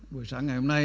buổi sáng ngày hôm nay